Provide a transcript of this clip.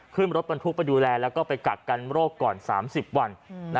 ขึ้นรถบรรทุกไปดูแลแล้วก็ไปกักกันโรคก่อน๓๐วัน